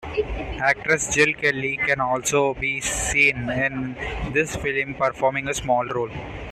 Actress Jill Kelly can also be seen in this film performing a small role.